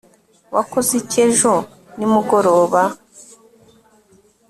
wakoze iki ejo nimugoroba